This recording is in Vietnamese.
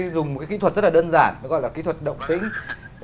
rất đơn giản nó gọi là kỹ thuật động tính